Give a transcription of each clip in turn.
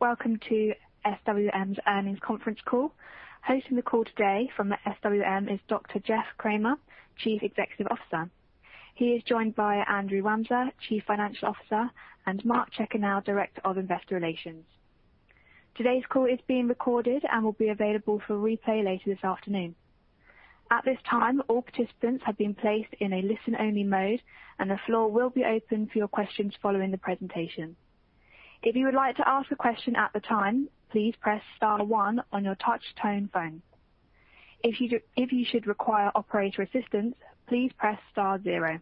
Welcome to SWM's earnings conference call. Hosting the call today from the SWM is Dr. Jeff Kramer, Chief Executive Officer. He is joined by Andrew Wamser, Chief Financial Officer, and Mark Chekanow, Director of Investor Relations. Today's call is being recorded and will be available for replay later this afternoon. At this time, all participants have been placed in a listen-only mode, and the floor will be open for your questions following the presentation. If you would like to ask a question at the time, please press star one on your touch-tone phone. If you should require operator assistance, please press star zero.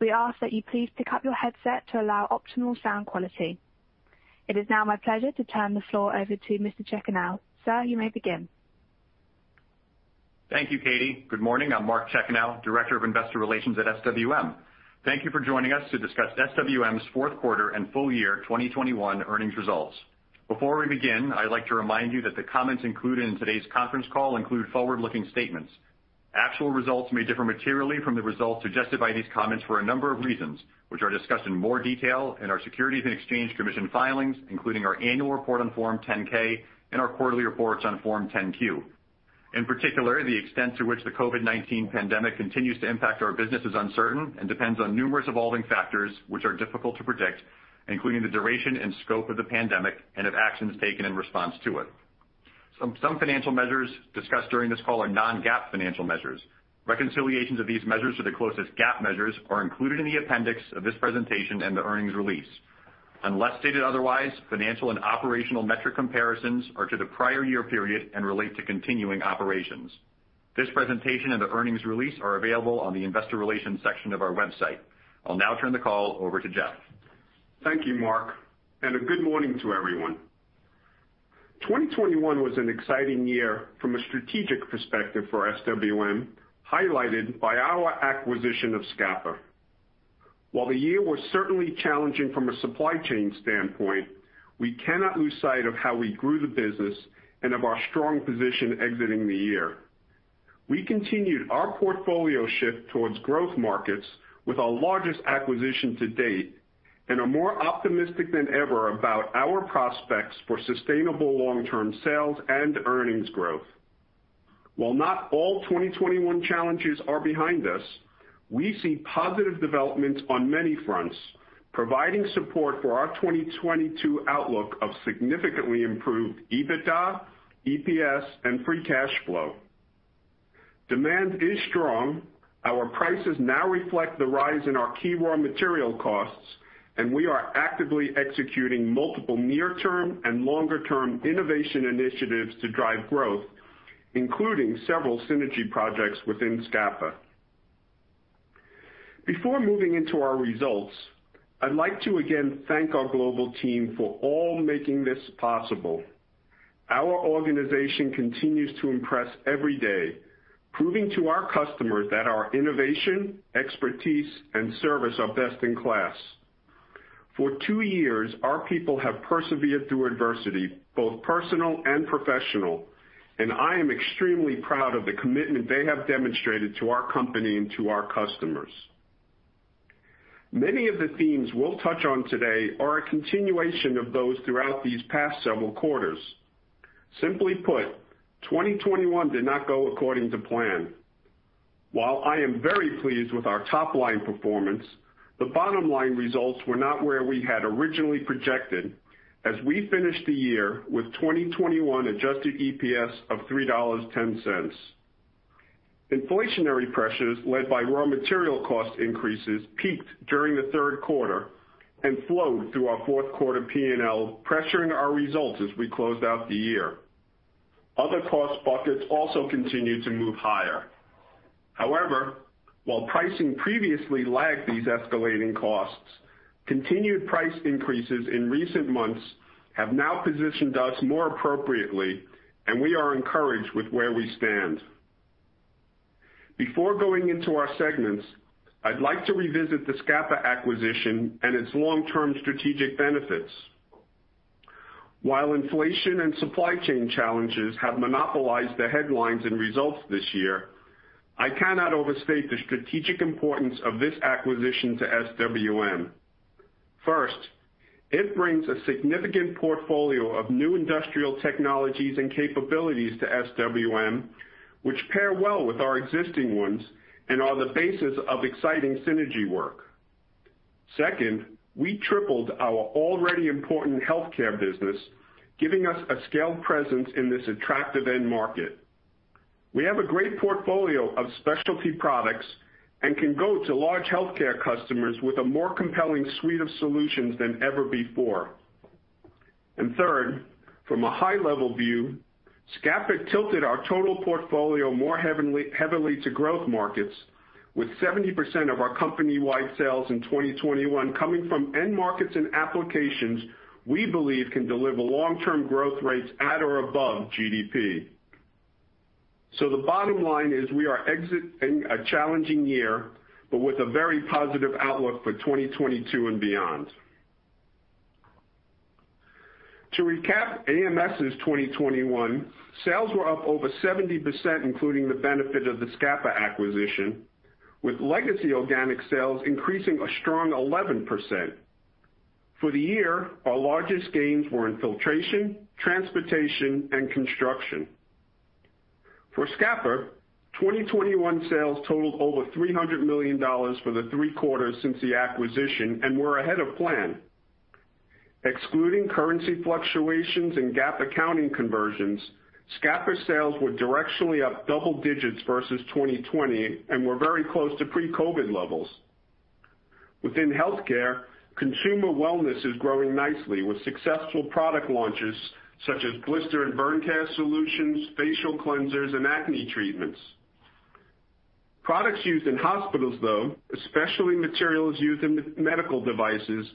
We ask that you please pick up your headset to allow optimal sound quality. It is now my pleasure to turn the floor over to Mr. Chekanow. Sir, you may begin. Thank you, Katie. Good morning. I'm Mark Chekanow, Director of Investor Relations at SWM. Thank you for joining us to discuss SWM's fourth quarter and full-year 2021 earnings results. Before we begin, I'd like to remind you that the comments included in today's conference call include forward-looking statements. Actual results may differ materially from the results suggested by these comments for a number of reasons, which are discussed in more detail in our Securities and Exchange Commission filings, including our annual report on Form 10-K and our quarterly reports on Form 10-Q. In particular, the extent to which the COVID-19 pandemic continues to impact our business is uncertain and depends on numerous evolving factors which are difficult to predict, including the duration and scope of the pandemic and of actions taken in response to it. Some financial measures discussed during this call are non-GAAP financial measures. Reconciliations of these measures to the closest GAAP measures are included in the appendix of this presentation and the earnings release. Unless stated otherwise, financial and operational metric comparisons are to the prior-year-period and relate to continuing operations. This presentation and the earnings release are available on the investor relations section of our website. I'll now turn the call over to Jeff. Thank you, Mark, and a good morning to everyone. 2021 was an exciting year from a strategic perspective for SWM, highlighted by our acquisition of Scapa. While the year was certainly challenging from a supply chain standpoint, we cannot lose sight of how we grew the business and of our strong position exiting the year. We continued our portfolio shift towards growth markets with our largest acquisition to date and are more optimistic than ever about our prospects for sustainable long-term sales and earnings growth. While not all 2021 challenges are behind us, we see positive developments on many fronts, providing support for our 2022 outlook of significantly improved EBITDA, EPS, and free cash flow. Demand is strong. Our prices now reflect the rise in our key raw material costs, and we are actively executing multiple near-term and longer-term innovation initiatives to drive growth, including several synergy projects within Scapa. Before moving into our results, I'd like to again thank our global team for all making this possible. Our organization continues to impress every day, proving to our customers that our innovation, expertise, and service are best-in-class. For two years, our people have persevered through adversity, both personal and professional, and I am extremely proud of the commitment they have demonstrated to our company and to our customers. Many of the themes we'll touch on today are a continuation of those throughout these past several quarters. Simply put, 2021 did not go according to plan. While I am very pleased with our top-line performance, the bottom-line results were not where we had originally projected as we finished the year with 2021 adjusted EPS of $3.10. Inflationary pressures led by raw material cost increases peaked during the third quarter and flowed through our fourth quarter P&L, pressuring our results as we closed out the year. Other cost buckets also continued to move higher. However, while pricing previously lagged these escalating costs, continued price increases in recent months have now positioned us more appropriately, and we are encouraged with where we stand. Before going into our segments, I'd like to revisit the Scapa acquisition and its long-term strategic benefits. While inflation and supply chain challenges have monopolized the headlines and results this year, I cannot overstate the strategic importance of this acquisition to SWM. First, it brings a significant portfolio of new industrial technologies and capabilities to SWM, which pair well with our existing ones and are the basis of exciting synergy work. Second, we tripled our already important healthcare business, giving us a scaled presence in this attractive end market. We have a great portfolio of specialty products and can go to large healthcare customers with a more compelling suite of solutions than ever before. Third, from a high-level view, Scapa tilted our total portfolio more heavily to growth markets, with 70% of our company-wide sales in 2021 coming from end markets and applications we believe can deliver long-term growth rates at or above GDP. The bottom line is we are exiting a challenging year, but with a very positive outlook for 2022 and beyond. To recap AMS' 2021, sales were up over 70%, including the benefit of the Scapa acquisition, with legacy organic sales increasing a strong 11%. For the year, our largest gains were in filtration, transportation, and construction. For Scapa, 2021 sales totaled over $300 million for the three quarters since the acquisition and were ahead of plan. Excluding currency fluctuations and GAAP accounting conversions, Scapa sales were directionally up double digits versus 2020 and were very close to pre-COVID levels. Within healthcare, consumer wellness is growing nicely with successful product launches such as blister and burn cast solutions, facial cleansers, and acne treatments. Products used in hospitals, though, especially materials used in medical devices,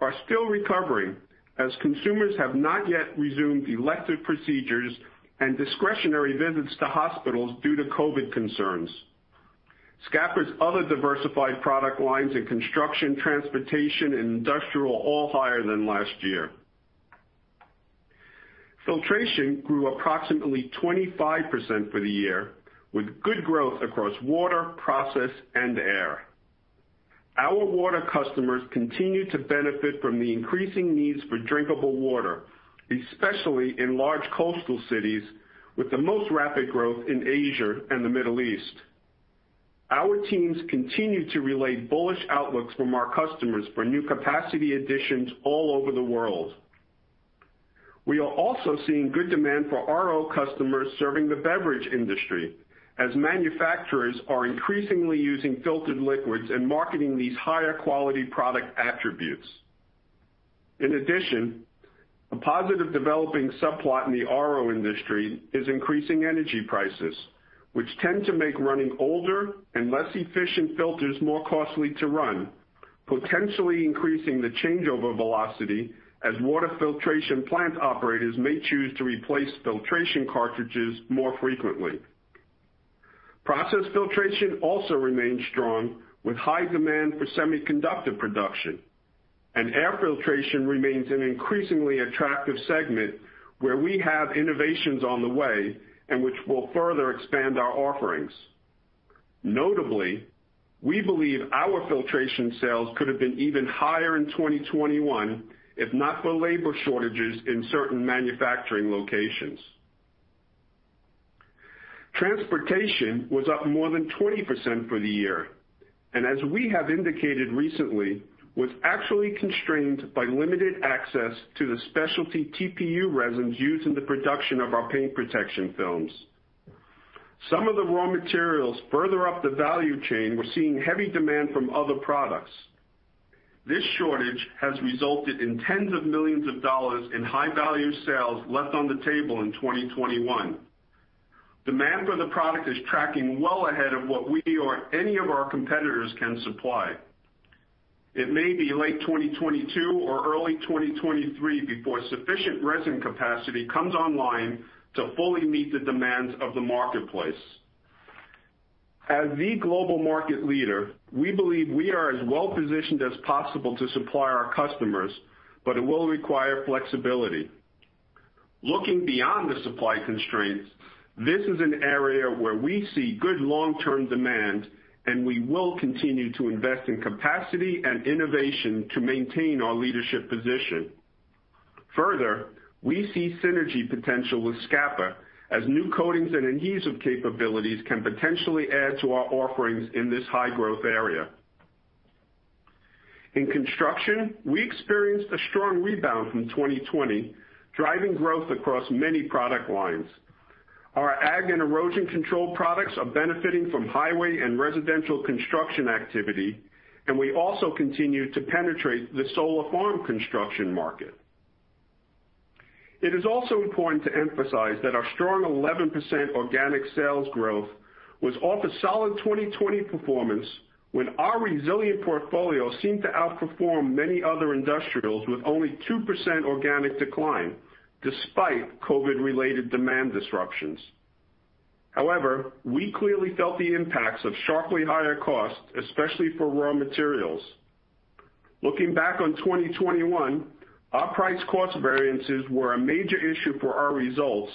are still recovering as consumers have not yet resumed elective procedures and discretionary visits to hospitals due to COVID concerns. Scapa's other diversified product lines in construction, transportation, and industrial all higher than last year. Filtration grew approximately 25% for the year, with good growth across water, process, and air. Our water customers continue to benefit from the increasing needs for drinkable water, especially in large coastal cities with the most rapid growth in Asia and the Middle East. Our teams continue to relay bullish outlooks from our customers for new capacity additions all over the world. We are also seeing good demand for RO customers serving the beverage industry as manufacturers are increasingly using filtered liquids and marketing these higher quality product attributes. In addition, a positive developing subplot in the RO industry is increasing energy prices, which tend to make running older and less efficient filters more costly to run, potentially increasing the changeover velocity as water filtration plant operators may choose to replace filtration cartridges more frequently. Process filtration also remains strong with high demand for semiconductor production. Air filtration remains an increasingly attractive segment where we have innovations on the way and which will further expand our offerings. Notably, we believe our filtration sales could have been even higher in 2021 if not for labor shortages in certain manufacturing locations. Transportation was up more than 20% for the year, and as we have indicated recently, was actually constrained by limited access to the specialty TPU resins used in the production of our paint protection films. Some of the raw materials further up the value chain were seeing heavy demand from other products. This shortage has resulted in $ tens of millions in high value sales left on the table in 2021. Demand for the product is tracking well ahead of what we or any of our competitors can supply. It may be late 2022 or early 2023 before sufficient resin capacity comes online to fully meet the demands of the marketplace. As the global market leader, we believe we are as well positioned as possible to supply our customers, but it will require flexibility. Looking beyond the supply constraints, this is an area where we see good long-term demand, and we will continue to invest in capacity and innovation to maintain our leadership position. Further, we see synergy potential with Scapa as new coatings and adhesive capabilities can potentially add to our offerings in this high-growth area. In construction, we experienced a strong rebound from 2020, driving growth across many product lines. Our ag and erosion control products are benefiting from highway and residential construction activity, and we also continue to penetrate the solar farm construction market. It is also important to emphasize that our strong 11% organic sales growth was off a solid 2020 performance when our resilient portfolio seemed to outperform many other industrials with only 2% organic decline despite COVID-related demand disruptions. However, we clearly felt the impacts of sharply higher costs, especially for raw materials. Looking back on 2021, our price cost variances were a major issue for our results.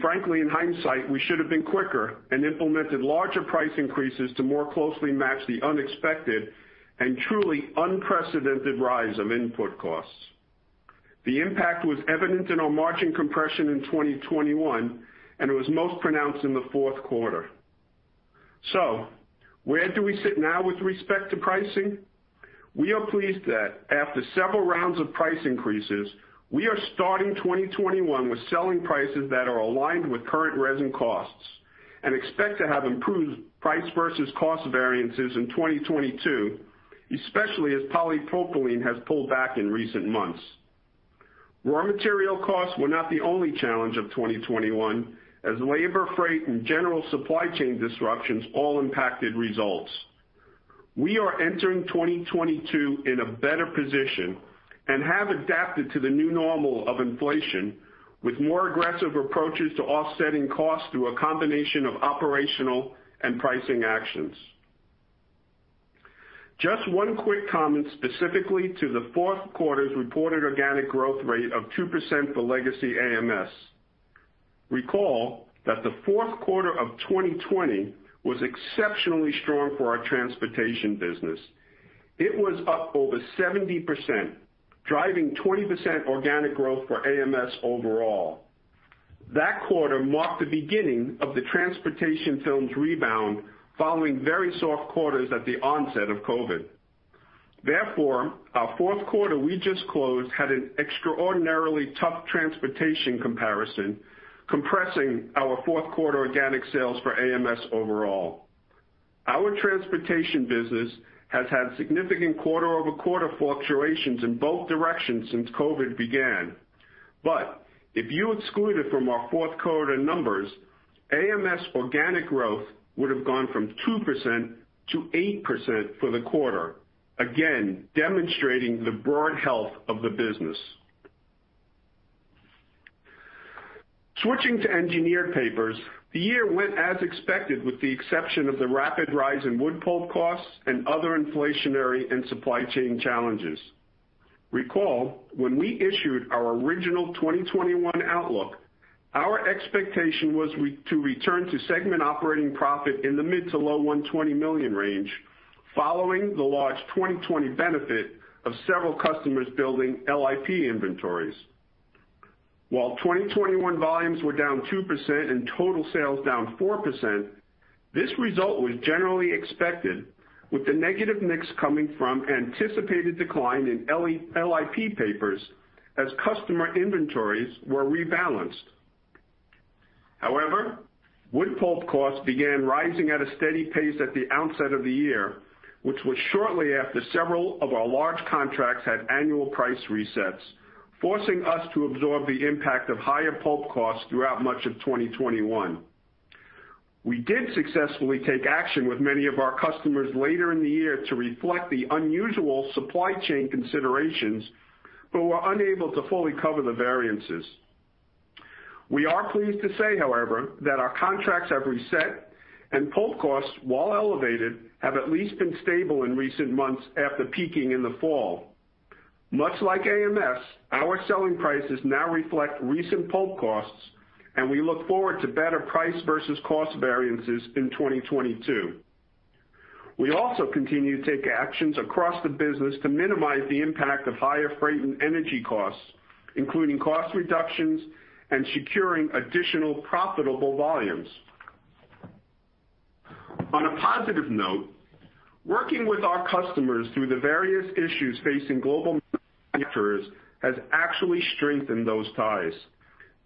Frankly, in hindsight, we should have been quicker and implemented larger price increases to more closely match the unexpected and truly unprecedented rise of input costs. The impact was evident in our margin compression in 2021, and it was most pronounced in the fourth quarter. Where do we sit now with respect to pricing? We are pleased that after several rounds of price increases, we are starting 2021 with selling prices that are aligned with current resin costs and expect to have improved price versus cost variances in 2022, especially as polypropylene has pulled back in recent months. Raw material costs were not the only challenge of 2021 as labor, freight, and general supply chain disruptions all impacted results. We are entering 2022 in a better position and have adapted to the new normal of inflation with more aggressive approaches to offsetting costs through a combination of operational and pricing actions. Just one quick comment specifically to the fourth quarter's reported organic growth rate of 2% for legacy AMS. Recall that the fourth quarter of 2020 was exceptionally strong for our transportation business. It was up over 70%, driving 20% organic growth for AMS overall. That quarter marked the beginning of the transportation films rebound following very soft quarters at the onset of COVID. Therefore, our fourth quarter we just closed had an extraordinarily tough transportation comparison, compressing our fourth-quarter organic sales for AMS overall. Our transportation business has had significant quarter-over-quarter fluctuations in both directions since COVID began. If you exclude it from our fourth quarter numbers, AMS organic growth would have gone from 2% to 8% for the quarter, again, demonstrating the broad health of the business. Switching to Engineered Papers, the year went as expected with the exception of the rapid rise in wood pulp costs and other inflationary and supply chain challenges. Recall, when we issued our original 2021 outlook, our expectation was to return to segment operating profit in the mid- to low-$120 million range following the large 2020 benefit of several customers building LIP inventories. While 2021 volumes were down 2% and total sales down 4%, this result was generally expected with the negative mix coming from anticipated decline in LIP papers as customer inventories were rebalanced. However, wood pulp costs began rising at a steady pace at the outset of the year, which was shortly after several of our large contracts had annual price resets, forcing us to absorb the impact of higher pulp costs throughout much of 2021. We did successfully take action with many of our customers later in the year to reflect the unusual supply chain considerations, but were unable to fully cover the variances. We are pleased to say, however, that our contracts have reset and pulp costs, while elevated, have at least been stable in recent months after peaking in the fall. Much like AMS, our selling prices now reflect recent pulp costs, and we look forward to better price versus cost variances in 2022. We also continue to take actions across the business to minimize the impact of higher freight and energy costs, including cost reductions and securing additional profitable volumes. On a positive note, working with our customers through the various issues facing global manufacturers has actually strengthened those ties.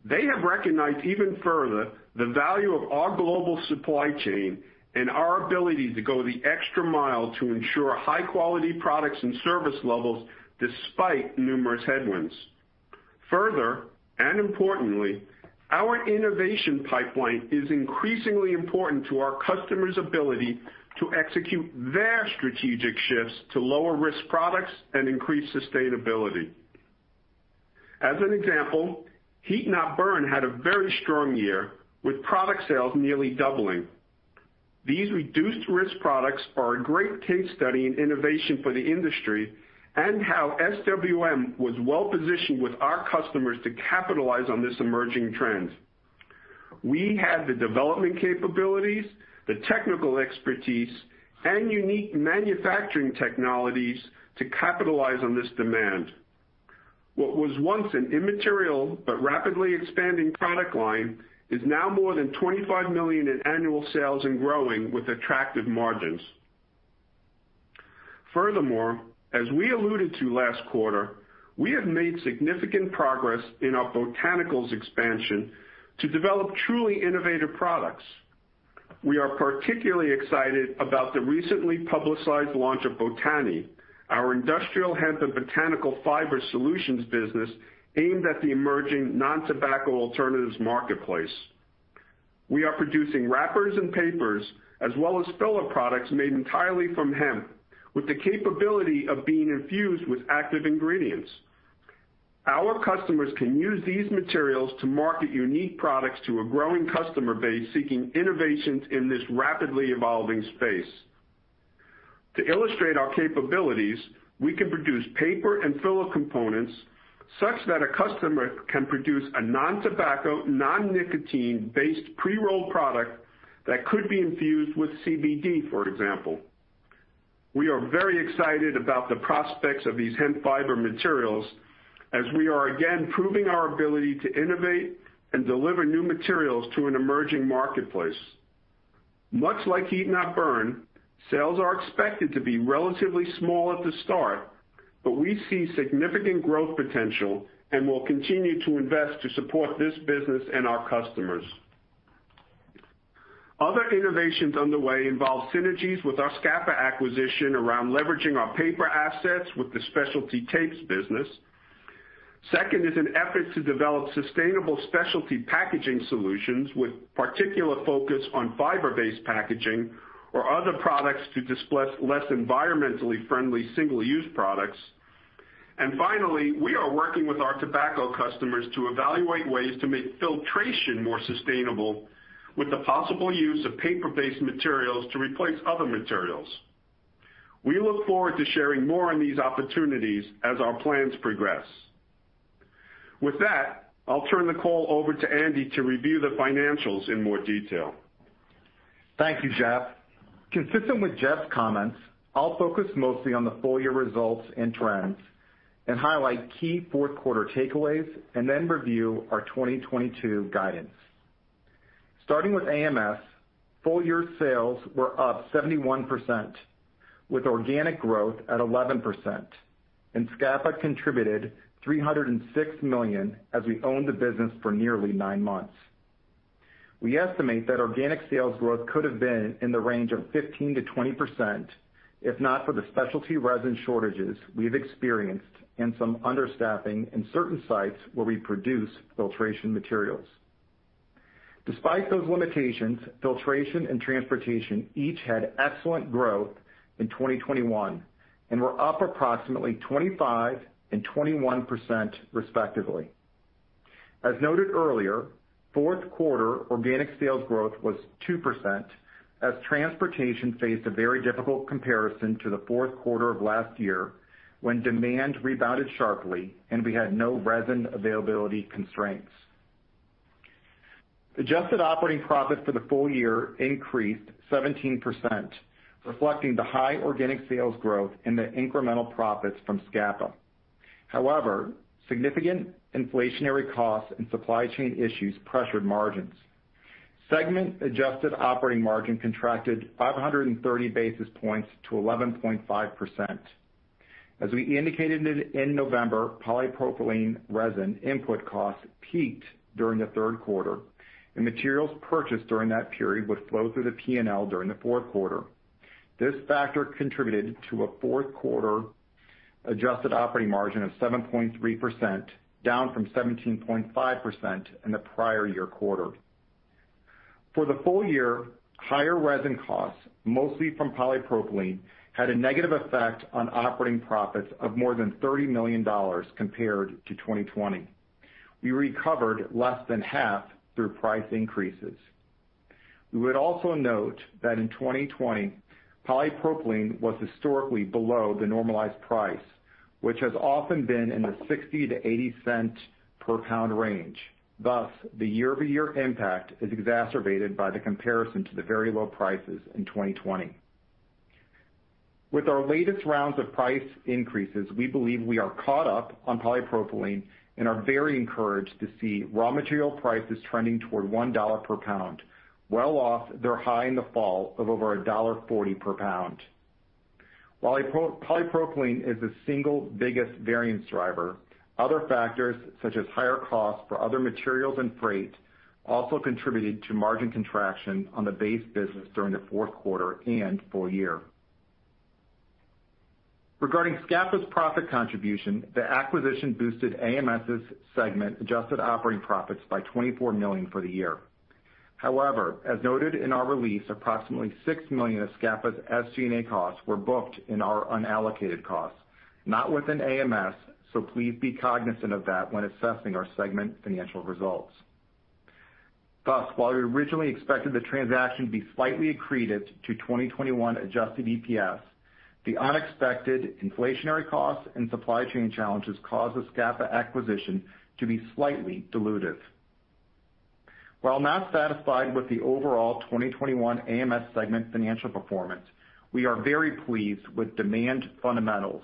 They have recognized even further the value of our global supply chain and our ability to go the extra mile to ensure high-quality products and service levels despite numerous headwinds. Further, importantly, our innovation pipeline is increasingly important to our customers' ability to execute their strategic shifts to lower risk products and increase sustainability. As an example, heat not burn had a very strong year, with product sales nearly doubling. These reduced-risk products are a great case study in innovation for the industry and how SWM was well positioned with our customers to capitalize on this emerging trend. We had the development capabilities, the technical expertise, and unique manufacturing technologies to capitalize on this demand. What was once an immaterial but rapidly expanding product line is now more than $25 million in annual sales and growing with attractive margins. Furthermore, as we alluded to last quarter, we have made significant progress in our Botani expansion to develop truly innovative products. We are particularly excited about the recently publicized launch of Botani, our industrial hemp and botanical fiber solutions business aimed at the emerging non-tobacco alternatives marketplace. We are producing wrappers and papers, as well as filler products made entirely from hemp, with the capability of being infused with active ingredients. Our customers can use these materials to market unique products to a growing customer base seeking innovations in this rapidly evolving space. To illustrate our capabilities, we can produce paper and filler components such that a customer can produce a non-tobacco, non-nicotine-based pre-rolled product that could be infused with CBD, for example. We are very excited about the prospects of these hemp fiber materials as we are, again, proving our ability to innovate and deliver new materials to an emerging marketplace. Much like heat not burn, sales are expected to be relatively small at the start, but we see significant growth potential and will continue to invest to support this business and our customers. Other innovations underway involve synergies with our Scapa acquisition around leveraging our paper assets with the specialty tapes business. Second is an effort to develop sustainable specialty packaging solutions with particular focus on fiber-based packaging or other products to displace less environmentally friendly single-use products. Finally, we are working with our tobacco customers to evaluate ways to make filtration more sustainable with the possible use of paper-based materials to replace other materials. We look forward to sharing more on these opportunities as our plans progress. With that, I'll turn the call over to Andy to review the financials in more detail. Thank you, Jeff. Consistent with Jeff's comments, I'll focus mostly on the full year results and trends and highlight key fourth quarter takeaways, and then review our 2022 guidance. Starting with AMS, full year sales were up 71%, with organic growth at 11%, and Scapa contributed $306 million as we owned the business for nearly nine months. We estimate that organic sales growth could have been in the range of 15%-20% if not for the specialty resin shortages we've experienced and some understaffing in certain sites where we produce filtration materials. Despite those limitations, filtration and transportation each had excellent growth in 2021, and were up approximately 25% and 21% respectively. As noted earlier, fourth quarter organic sales growth was 2% as transportation faced a very difficult comparison to the fourth quarter of last year when demand rebounded sharply and we had no resin availability constraints. Adjusted operating profits for the full year increased 17%, reflecting the high organic sales growth and the incremental profits from Scapa. However, significant inflationary costs and supply chain issues pressured margins. Segment adjusted operating margin contracted 530 basis points to 11.5%. As we indicated in November, polypropylene resin input costs peaked during the third quarter, and materials purchased during that period would flow through the P&L during the fourth quarter. This factor contributed to a fourth quarter adjusted operating margin of 7.3%, down from 17.5% in the prior year quarter. For the full-year, higher resin costs, mostly from polypropylene, had a negative effect on operating profits of more than $30 million compared to 2020. We recovered less than half through price increases. We would also note that in 2020, polypropylene was historically below the normalized price, which has often been in the $0.60-$0.80 per pound range. Thus, the year-over-year impact is exacerbated by the comparison to the very low prices in 2020. With our latest rounds of price increases, we believe we are caught up on polypropylene and are very encouraged to see raw material prices trending toward $1 per pound, well off their high in the fall of over $1.40 per pound. While polypropylene is the single biggest variance driver, other factors such as higher costs for other materials and freight also contributed to margin contraction on the base business during the fourth quarter and full-year. Regarding Scapa's profit contribution, the acquisition boosted AMS' segment adjusted operating profits by $24 million for the year. However, as noted in our release, approximately $6 million of Scapa's SG&A costs were booked in our unallocated costs, not within AMS, so please be cognizant of that when assessing our segment financial results. Thus, while we originally expected the transaction to be slightly accreted to 2021 adjusted EPS, the unexpected inflationary costs and supply chain challenges caused the Scapa acquisition to be slightly dilutive. While not satisfied with the overall 2021 AMS segment financial performance, we are very pleased with demand fundamentals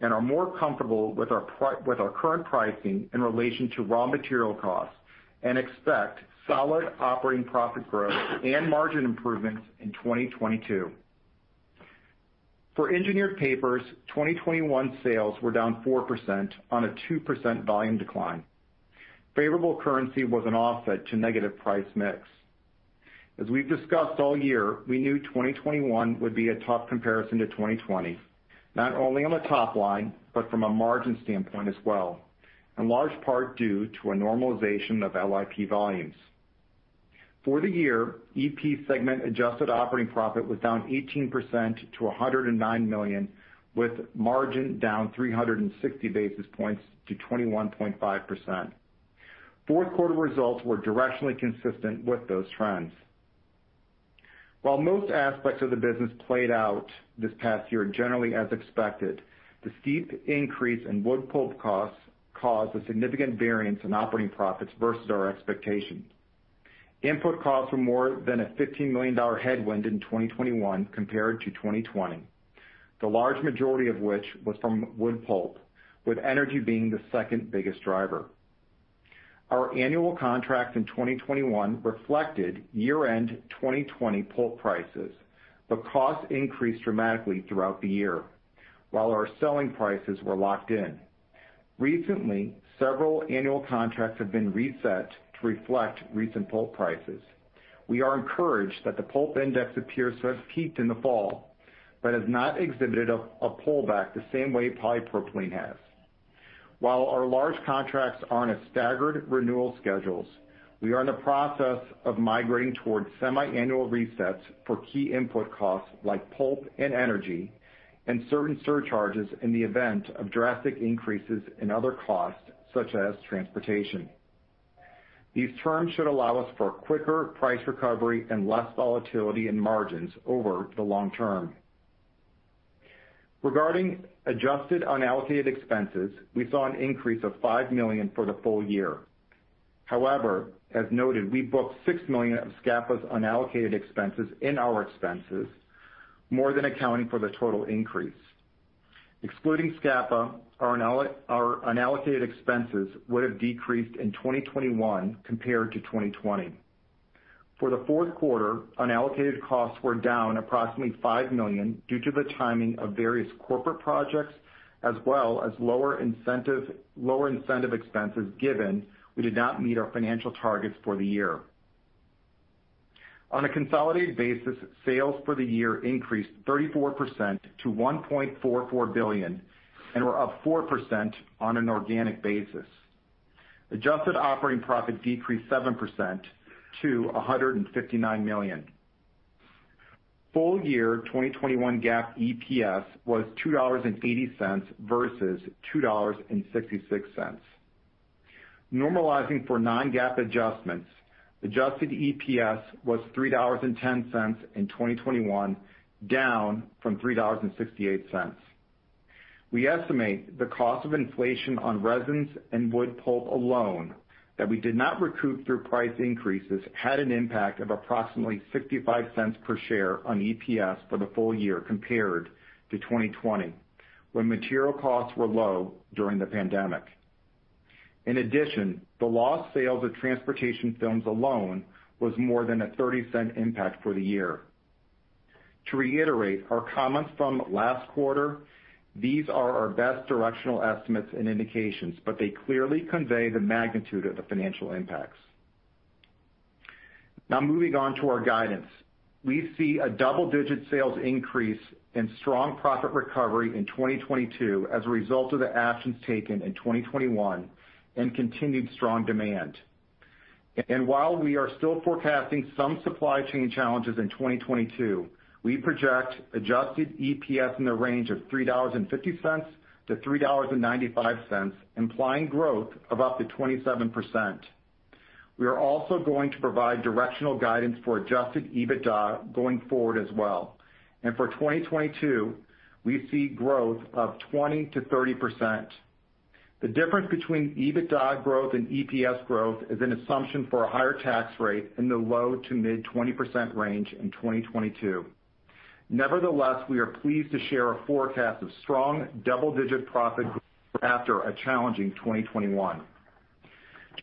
and are more comfortable with our current pricing in relation to raw material costs and expect solid operating profit growth and margin improvements in 2022. For Engineered Papers, 2021 sales were down 4% on a 2% volume decline. Favorable currency was an offset to negative price mix. As we've discussed all year, we knew 2021 would be a tough comparison to 2020, not only on the top line, but from a margin standpoint as well, in large part due to a normalization of LIP volumes. For the year, EP segment adjusted operating profit was down 18% to $109 million, with margin down 360 basis points to 21.5%. Fourth quarter results were directionally consistent with those trends. While most aspects of the business played out this past year generally as expected, the steep increase in wood pulp costs caused a significant variance in operating profits versus our expectations. Input costs were more than a $15 million headwind in 2021 compared to 2020. The large majority of which was from wood pulp, with energy being the second biggest driver. Our annual contracts in 2021 reflected year-end 2020 pulp prices, but costs increased dramatically throughout the year while our selling prices were locked in. Recently, several annual contracts have been reset to reflect recent pulp prices. We are encouraged that the pulp index appears to have peaked in the fall, but has not exhibited a pullback the same way polypropylene has. While our large contracts are on a staggered renewal schedules, we are in the process of migrating towards semiannual resets for key input costs like pulp and energy and certain surcharges in the event of drastic increases in other costs, such as transportation. These terms should allow us for quicker price recovery and less volatility in margins over the long term. Regarding adjusted unallocated expenses, we saw an increase of $5 million for the full-year. However, as noted, we booked $6 million of Scapa's unallocated expenses in our expenses, more than accounting for the total increase. Excluding Scapa, our unallocated expenses would have decreased in 2021 compared to 2020. For the fourth quarter, unallocated costs were down approximately $5 million due to the timing of various corporate projects as well as lower incentive expenses, given we did not meet our financial targets for the year. On a consolidated basis, sales for the year increased 34% to $1.44 billion and were up 4% on an organic basis. Adjusted operating profit decreased 7% to $159 million. Full year 2021 GAAP EPS was $2.80 versus $2.66. Normalizing for non-GAAP adjustments, adjusted EPS was $3.10 in 2021, down from $3.68. We estimate the cost of inflation on resins and wood pulp alone that we did not recoup through price increases, had an impact of approximately $0.65 per share on EPS for the full-year compared to 2020, when material costs were low during the pandemic. In addition, the lost sales of transportation films alone was more than a $0.30 impact for the year. To reiterate our comments from last quarter, these are our best directional estimates and indications, but they clearly convey the magnitude of the financial impacts. Now, moving on to our guidance. We see a double-digit sales increase and strong profit recovery in 2022 as a result of the actions taken in 2021 and continued strong demand. While we are still forecasting some supply chain challenges in 2022, we project adjusted EPS in the range of $3.50-$3.95, implying growth of up to 27%. We are also going to provide directional guidance for adjusted EBITDA going forward as well. For 2022, we see growth of 20%-30%. The difference between EBITDA growth and EPS growth is an assumption for a higher tax rate in the low- to mid-20% range in 2022. Nevertheless, we are pleased to share a forecast of strong double-digit profit growth after a challenging 2021.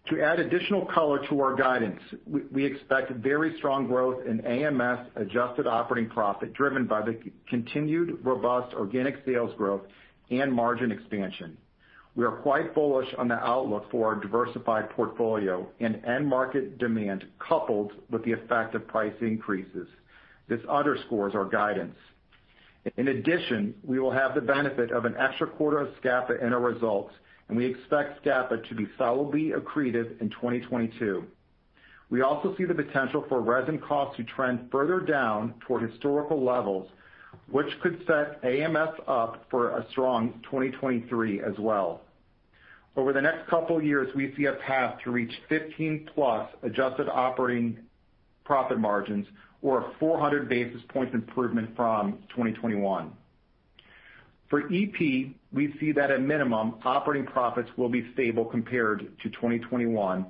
To add additional color to our guidance, we expect very strong growth in AMS adjusted operating profit driven by the continued robust organic sales growth and margin expansion. We are quite bullish on the outlook for our diversified portfolio and end market demand, coupled with the effect of price increases. This underscores our guidance. In addition, we will have the benefit of an extra quarter of Scapa in our results, and we expect Scapa to be solidly accretive in 2022. We also see the potential for resin costs to trend further down toward historical levels, which could set AMS up for a strong 2023 as well. Over the next couple years, we see a path to reach 15+ adjusted operating profit margins or a 400 basis points improvement from 2021. For EP, we see that at minimum, operating profits will be stable compared to 2021,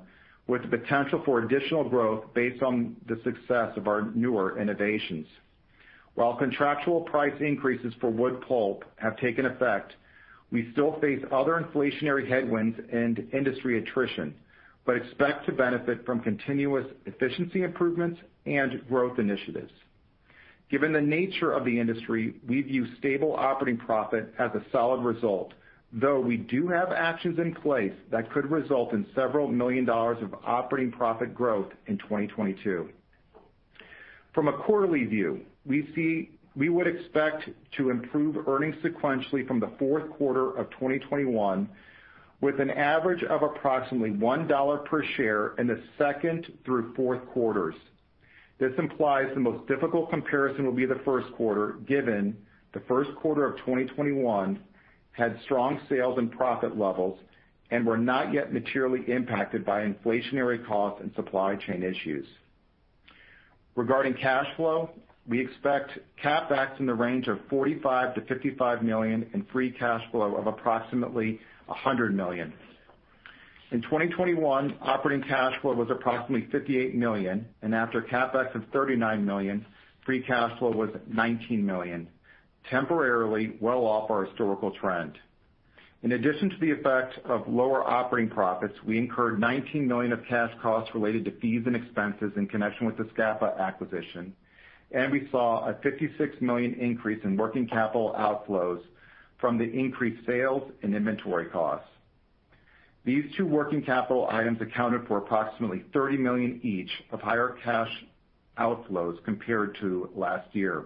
with potential for additional growth based on the success of our newer innovations. While contractual price increases for wood pulp have taken effect, we still face other inflationary headwinds and industry attrition, but expect to benefit from continuous efficiency improvements and growth initiatives. Given the nature of the industry, we view stable operating profit as a solid result, though we do have actions in place that could result in $several million of operating profit growth in 2022. From a quarterly view, we would expect to improve earnings sequentially from the fourth quarter of 2021, with an average of approximately $1 per share in the second through fourth quarters. This implies the most difficult comparison will be the first quarter, given the first quarter of 2021 had strong sales and profit levels and were not yet materially impacted by inflationary costs and supply chain issues. Regarding cash flow, we expect CapEx in the range of $45 million-$55 million and free cash flow of approximately $100 million. In 2021, operating cash flow was approximately $58 million, and after CapEx of $39 million, free cash flow was $19 million, temporarily well off our historical trend. In addition to the effect of lower operating profits, we incurred $19 million of cash costs related to fees and expenses in connection with the Scapa acquisition. We saw a $56 million increase in working capital outflows from the increased sales and inventory costs. These two working capital items accounted for approximately $30 million each of higher cash outflows compared to last year.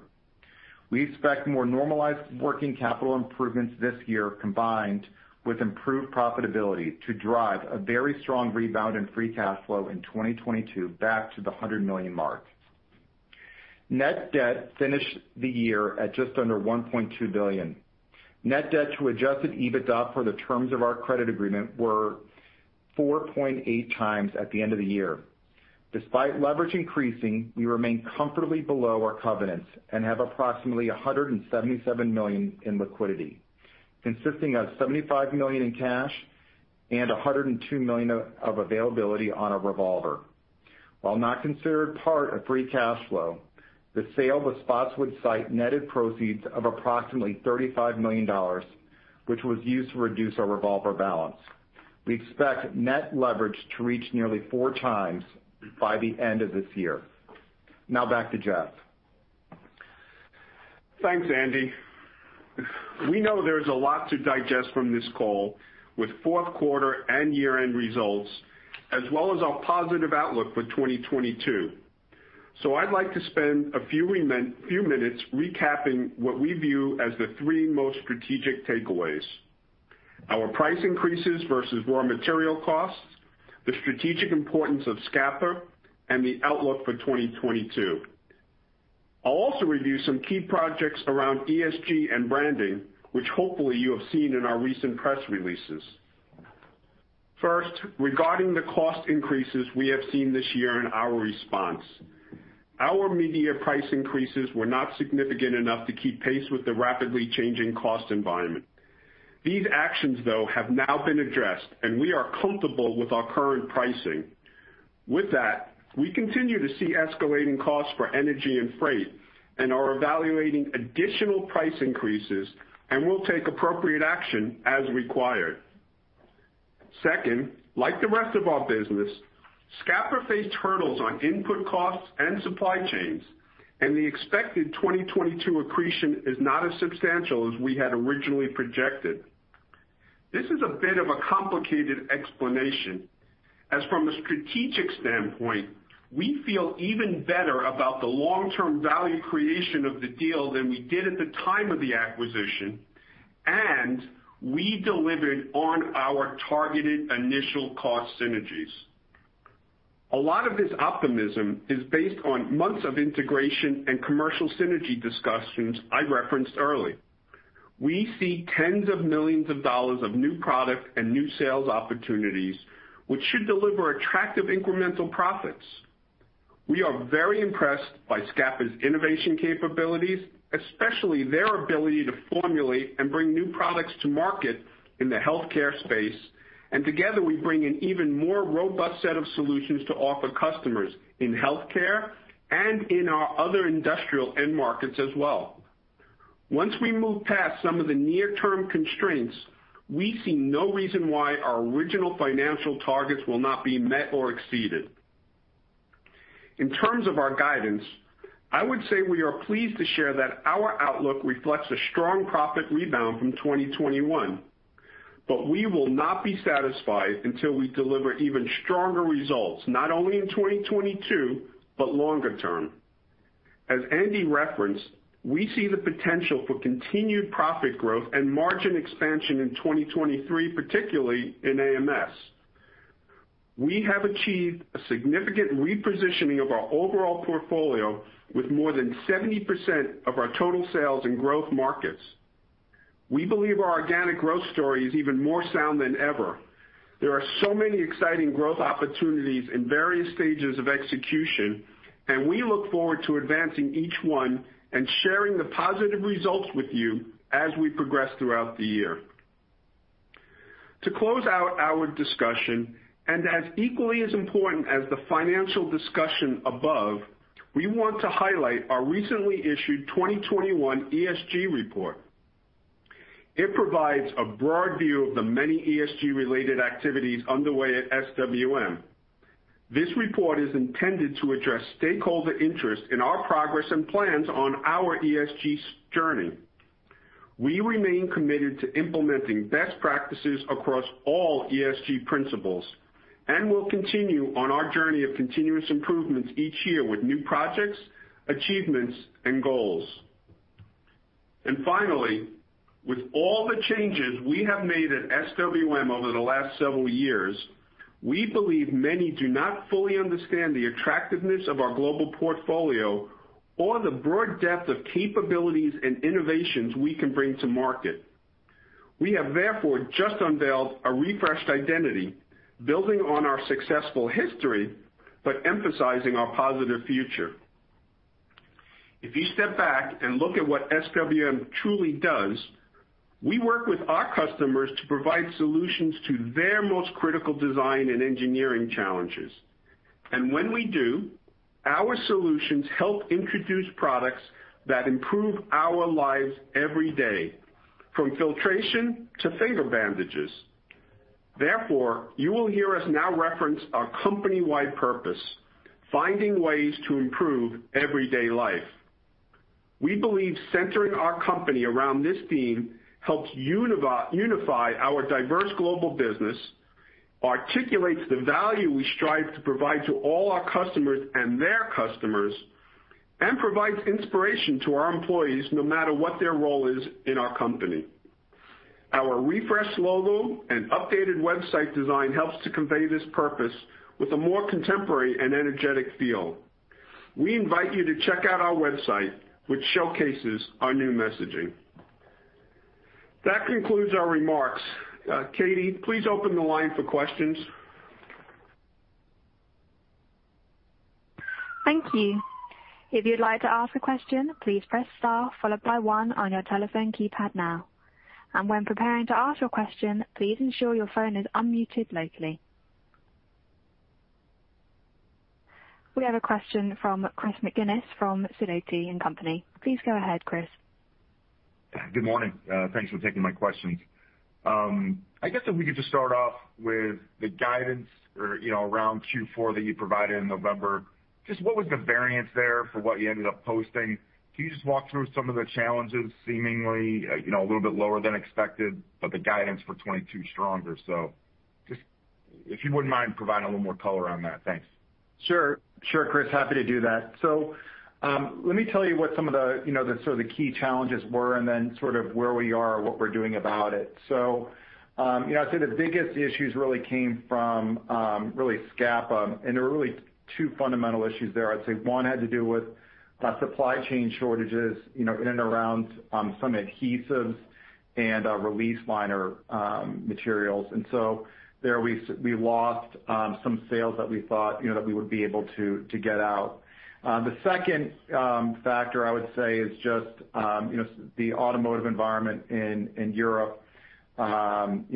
We expect more normalized working capital improvements this year, combined with improved profitability, to drive a very strong rebound in free cash flow in 2022 back to the $100 million mark. Net debt finished the year at just under $1.2 billion. Net debt to adjusted EBITDA for the terms of our credit agreement were 4.8x at the end of the year. Despite leverage increasing, we remain comfortably below our covenants and have approximately $177 million in liquidity, consisting of $75 million in cash and $102 million of availability on a revolver. While not considered part of free cash flow, the sale of the Spotswood site netted proceeds of approximately $35 million, which was used to reduce our revolver balance. We expect net leverage to reach nearly 4x by the end of this year. Now, back to Jeff. Thanks, Andy. We know there's a lot to digest from this call with fourth quarter and year-end results, as well as our positive outlook for 2022. I'd like to spend a few minutes recapping what we view as the three most strategic takeaways. Our price increases versus raw material costs, the strategic importance of Scapa, and the outlook for 2022. I'll also review some key projects around ESG and branding, which hopefully you have seen in our recent press releases. First, regarding the cost increases we have seen this year and our response, our media price increases were not significant enough to keep pace with the rapidly changing cost environment. These actions, though, have now been addressed, and we are comfortable with our current pricing. With that, we continue to see escalating costs for energy and freight and are evaluating additional price increases and will take appropriate action as required. Second, like the rest of our business, Scapa faced hurdles on input costs and supply chains, and the expected 2022 accretion is not as substantial as we had originally projected. This is a bit of a complicated explanation, as from a strategic standpoint, we feel even better about the long-term value creation of the deal than we did at the time of the acquisition, and we delivered on our targeted initial cost synergies. A lot of this optimism is based on months of integration and commercial synergy discussions I referenced early. We see tens of millions of dollars of new product and new sales opportunities, which should deliver attractive incremental profits. We are very impressed by Scapa's innovation capabilities, especially their ability to formulate and bring new products to market in the healthcare space. Together, we bring an even more robust set of solutions to offer customers in healthcare and in our other industrial end markets as well. Once we move past some of the near-term constraints, we see no reason why our original financial targets will not be met or exceeded. In terms of our guidance, I would say we are pleased to share that our outlook reflects a strong profit rebound from 2021, but we will not be satisfied until we deliver even stronger results, not only in 2022, but longer term. As Andy referenced, we see the potential for continued profit growth and margin expansion in 2023, particularly in AMS. We have achieved a significant repositioning of our overall portfolio with more than 70% of our total sales in growth markets. We believe our organic growth story is even more sound than ever. There are so many exciting growth opportunities in various stages of execution, and we look forward to advancing each one and sharing the positive results with you as we progress throughout the year. To close out our discussion, and as equally as important as the financial discussion above, we want to highlight our recently issued 2021 ESG report. It provides a broad view of the many ESG-related activities underway at SWM. This report is intended to address stakeholder interest in our progress and plans on our ESG journey. We remain committed to implementing best practices across all ESG principles and will continue on our journey of continuous improvements each year with new projects, achievements, and goals. Finally, with all the changes we have made at SWM over the last several years, we believe many do not fully understand the attractiveness of our global portfolio or the broad depth of capabilities and innovations we can bring to market. We have, therefore, just unveiled a refreshed identity, building on our successful history, but emphasizing our positive future. If you step back and look at what SWM truly does, we work with our customers to provide solutions to their most critical design and engineering challenges. When we do, our solutions help introduce products that improve our lives every day, from filtration to finger bandages. Therefore, you will hear us now reference our company-wide purpose: finding ways to improve everyday life. We believe centering our company around this theme helps unify our diverse global business, articulates the value we strive to provide to all our customers and their customers, and provides inspiration to our employees no matter what their role is in our company. Our refreshed logo and updated website design helps to convey this purpose with a more contemporary and energetic feel. We invite you to check out our website, which showcases our new messaging. That concludes our remarks. Katie, please open the line for questions. Thank you. If you'd like to ask a question, please press star followed by one on your telephone keypad now. When preparing to ask your question, please ensure your phone is unmuted locally. We have a question from Chris McGinnis from Sidoti & Company. Please go ahead, Chris. Good morning. Thanks for taking my questions. I guess if we could just start off with the guidance or, you know, around Q4 that you provided in November. Just what was the variance there for what you ended up posting? Can you just walk through some of the challenges seemingly, you know, a little bit lower than expected, but the guidance for 2022 stronger. Just if you wouldn't mind providing a little more color on that. Thanks. Sure, Chris, happy to do that. Let me tell you what some of the, you know, the sort of the key challenges were and then sort of where we are, what we're doing about it. You know, I'd say the biggest issues really came from really Scapa, and there were really two fundamental issues there. I'd say one had to do with supply chain shortages, you know, in and around some adhesives and release liner materials. We lost some sales that we thought, you know, that we would be able to get out. The second factor I would say is just, you know, the automotive environment in Europe, you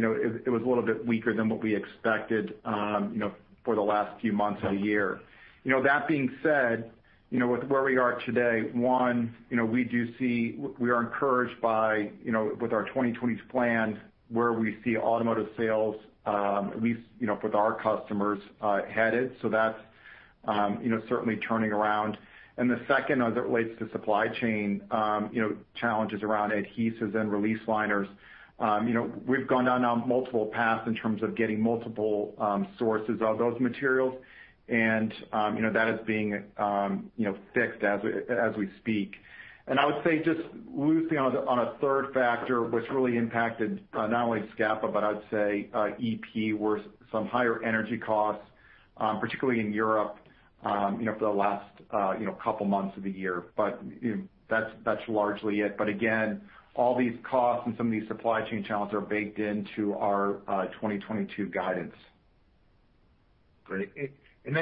know, it was a little bit weaker than what we expected, you know, for the last few months of the year. You know, that being said, you know, with where we are today, you know, we do see we are encouraged by, you know, with our 2020 plans, where we see automotive sales, at least, you know, with our customers, headed. That's, you know, certainly turning around. The second, as it relates to supply chain, you know, challenges around adhesives and release liners, you know, we've gone down now multiple paths in terms of getting multiple sources of those materials. You know, that is being fixed as we speak. I would say just loosely on a third factor, which really impacted not only Scapa, but I'd say EP, were some higher energy costs, particularly in Europe, you know, for the last couple months of the year. You know, that's largely it. Again, all these costs and some of these supply chain challenges are baked into our 2022 guidance. Great.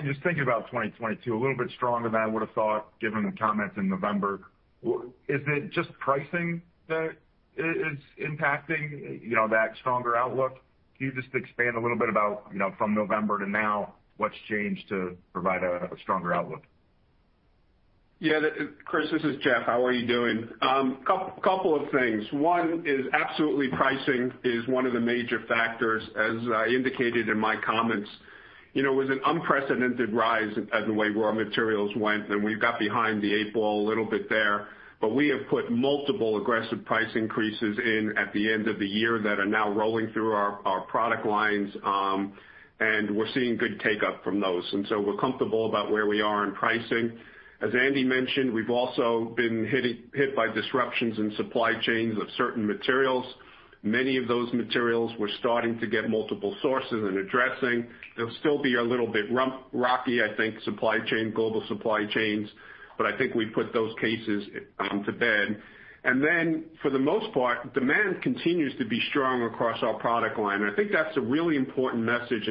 Just thinking about 2022, a little bit stronger than I would have thought given the comments in November. Is it just pricing that is impacting, you know, that stronger outlook? Can you just expand a little bit about, you know, from November to now, what's changed to provide a stronger outlook? Yeah, Chris, this is Jeff. How are you doing? Couple of things. One is absolutely pricing is one of the major factors, as I indicated in my comments. You know, it was an unprecedented rise, as the way raw materials went, and we got behind the eight ball a little bit there. But we have put multiple aggressive price increases in at the end of the year that are now rolling through our product lines, and we're seeing good take up from those. And so we're comfortable about where we are in pricing. As Andy mentioned, we've also been hit by disruptions in supply chains of certain materials. Many of those materials we're starting to get multiple sources and addressing. They'll still be a little bit rocky, I think, supply chain, global supply chains, but I think we put those cases to bed. For the most part, demand continues to be strong across our product line. I think that's a really important message.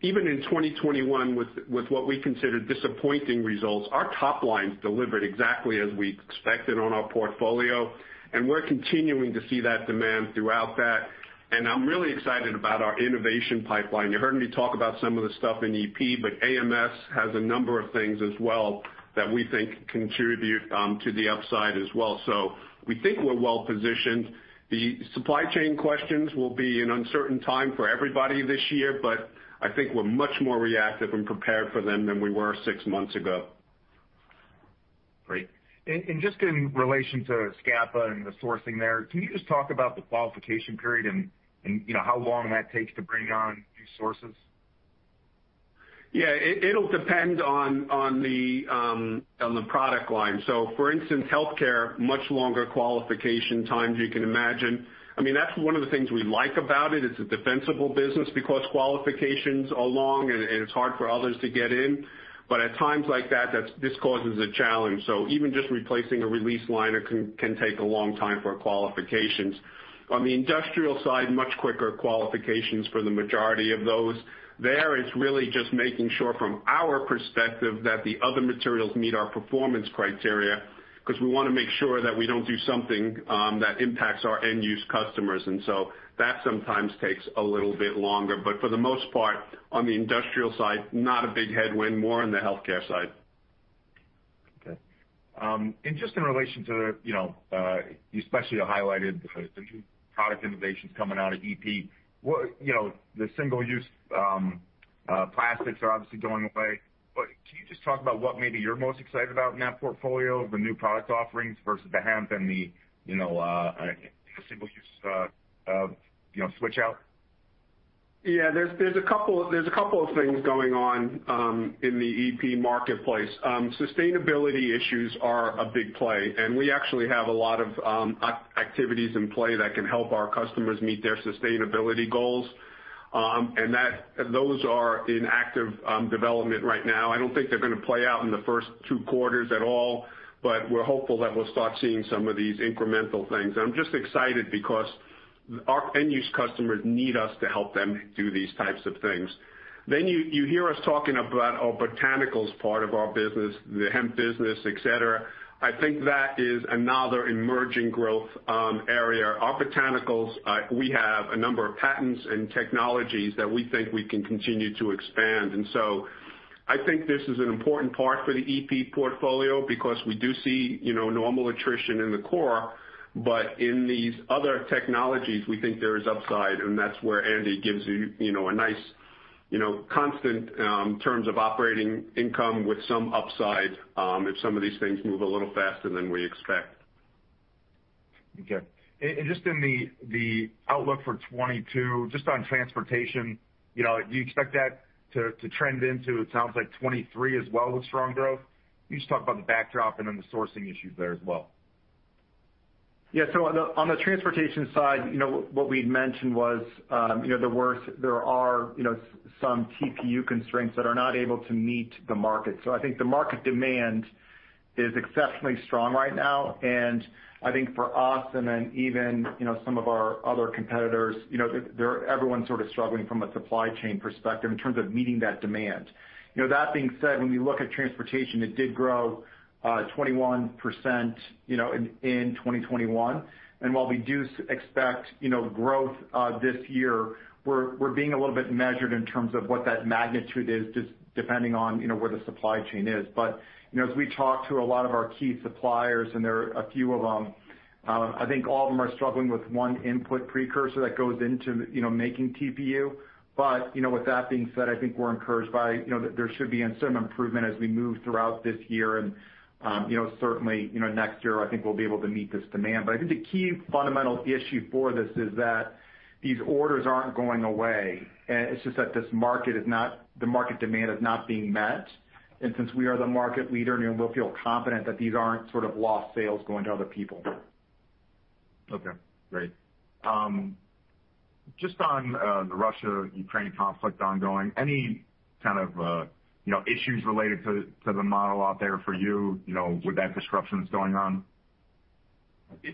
Even in 2021 with what we consider disappointing results, our top line's delivered exactly as we expected on our portfolio, and we're continuing to see that demand throughout that. I'm really excited about our innovation pipeline. You heard me talk about some of the stuff in EP, but AMS has a number of things as well that we think contribute to the upside as well. We think we're well positioned. The supply chain questions will be an uncertain time for everybody this year, but I think we're much more reactive and prepared for them than we were six months ago. Great. Just in relation to Scapa and the sourcing there, can you just talk about the qualification period and, you know, how long that takes to bring on new sources? It'll depend on the product line. For instance, Healthcare, much longer qualification times you can imagine. I mean, that's one of the things we like about it. It's a defensible business because qualifications are long and it's hard for others to get in. But at times like that, this causes a challenge. Even just replacing a release liner can take a long time for qualifications. On the Industrial side, much quicker qualifications for the majority of those. There, it's really just making sure from our perspective that the other materials meet our performance criteria, 'cause we wanna make sure that we don't do something that impacts our end use customers. That sometimes takes a little bit longer. But for the most part, on the Industrial side, not a big headwind, more on the Healthcare side. Okay. Just in relation to, you know, especially you highlighted the new product innovations coming out of EP. You know, the single use plastics are obviously going away. Can you just talk about what maybe you're most excited about in that portfolio, the new product offerings versus the hemp and the, you know, I think a single use, you know, switch out? Yeah. There's a couple of things going on in the EP marketplace. Sustainability issues are a big play, and we actually have a lot of activities in play that can help our customers meet their sustainability goals. Those are in active development right now. I don't think they're gonna play out in the first two quarters at all, but we're hopeful that we'll start seeing some of these incremental things. I'm just excited because our end-use customers need us to help them do these types of things. You hear us talking about our Botani part of our business, the hemp business, et cetera. I think that is another emerging growth area. Our Botani, we have a number of patents and technologies that we think we can continue to expand. I think this is an important part for the EP portfolio because we do see, you know, normal attrition in the core, but in these other technologies, we think there is upside, and that's where Andy gives you know, a nice, you know, constant terms of operating income with some upside if some of these things move a little faster than we expect. Okay. Just in the outlook for 2022, just on transportation, you know, do you expect that to trend into it sounds like 2023 as well with strong growth? Can you just talk about the backdrop and then the sourcing issues there as well? Yeah. On the transportation side, you know, what we'd mentioned was, you know, there are, you know, some TPU constraints that are not able to meet the market. I think the market demand is exceptionally strong right now. I think for us, and then even, you know, some of our other competitors, you know, everyone's sort of struggling from a supply chain perspective in terms of meeting that demand. You know, that being said, when we look at transportation, it did grow 21% in 2021. While we do expect, you know, growth this year, we're being a little bit measured in terms of what that magnitude is just depending on, you know, where the supply chain is. You know, as we talk to a lot of our key suppliers, and there are a few of them, I think all of them are struggling with one input precursor that goes into, you know, making TPU. You know, with that being said, I think we're encouraged by, you know, that there should be some improvement as we move throughout this year. You know, certainly, you know, next year, I think we'll be able to meet this demand. I think the key fundamental issue for this is that these orders aren't going away. It's just that the market demand is not being met. Since we are the market leader, you know, we'll feel confident that these aren't sort of lost sales going to other people. Okay. Great. Just on the Russia-Ukraine conflict ongoing, any kind of, you know, issues related to the mill out there for you know, with that disruption that's going on?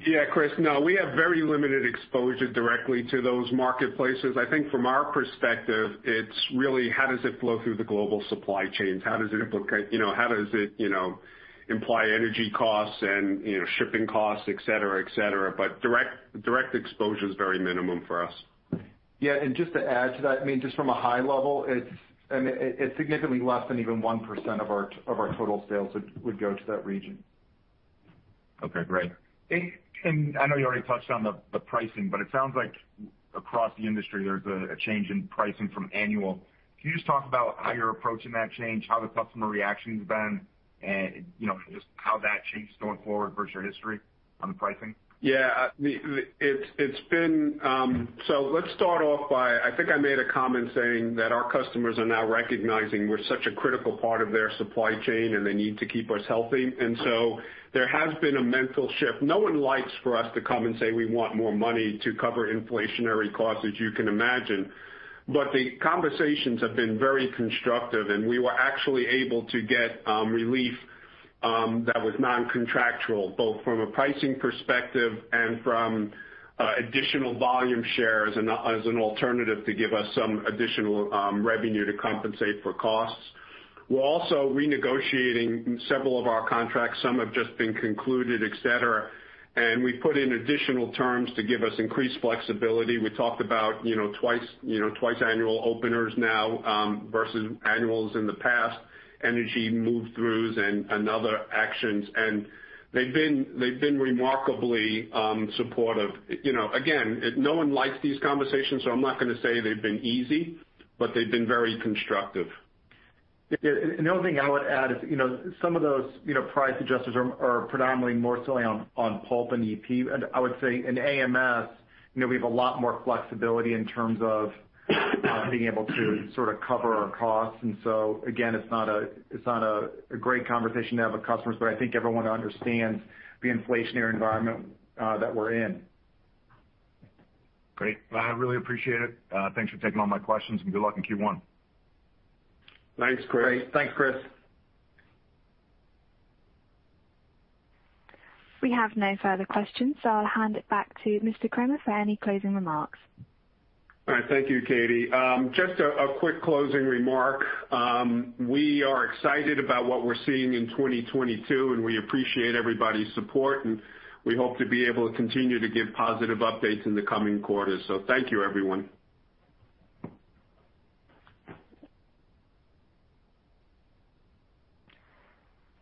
Yeah, Chris, no, we have very limited exposure directly to those marketplaces. I think from our perspective, it's really how does it flow through the global supply chains? How does it, you know, impact energy costs and, you know, shipping costs, et cetera, et cetera. Direct exposure is very minimal for us. Yeah. Just to add to that, I mean, just from a high level, I mean, it's significantly less than even 1% of our total sales would go to that region. Okay. Great. I know you already touched on the pricing, but it sounds like across the industry, there's a change in pricing from annual. Can you just talk about how you're approaching that change, how the customer reaction's been, and, you know, just how that shapes going forward versus your history on pricing? Yeah. It's been. Let's start off by, I think I made a comment saying that our customers are now recognizing we're such a critical part of their supply chain, and they need to keep us healthy. There has been a mental shift. No one likes for us to come and say we want more money to cover inflationary costs, as you can imagine. The conversations have been very constructive, and we were actually able to get relief that was non-contractual, both from a pricing perspective and from additional volume shares and as an alternative to give us some additional revenue to compensate for costs. We're also renegotiating several of our contracts. Some have just been concluded, et cetera. We put in additional terms to give us increased flexibility. We talked about, you know, twice annual openers now versus annuals in the past, energy move throughs and other actions. They've been remarkably supportive. You know, again, no one likes these conversations, so I'm not gonna say they've been easy, but they've been very constructive. Yeah. The only thing I would add is, you know, some of those, you know, price adjusters are predominantly more solely on pulp and EP. I would say in AMS, you know, we have a lot more flexibility in terms of being able to sort of cover our costs. Again, it's not a great conversation to have with customers, but I think everyone understands the inflationary environment that we're in. Great. Well, I really appreciate it. Thanks for taking all my questions, and good luck in Q1. Thanks, Chris. Great. Thanks, Chris. We have no further questions, so I'll hand it back to Mr. Kramer for any closing remarks. All right. Thank you, Katie. Just a quick closing remark. We are excited about what we're seeing in 2022, and we appreciate everybody's support, and we hope to be able to continue to give positive updates in the coming quarters. Thank you, everyone.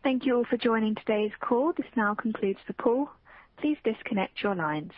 Thank you all for joining today's call. This now concludes the call. Please disconnect your lines.